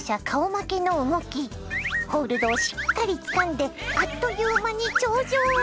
ホールドをしっかりつかんであっという間に頂上へ！